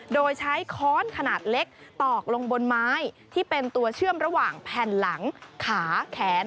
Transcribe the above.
โดยใช้ค้อนขนาดเล็กตอกลงบนไม้ที่เป็นตัวเชื่อมระหว่างแผ่นหลังขาแขน